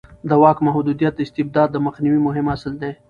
د واک محدودیت د استبداد د مخنیوي مهم اصل دی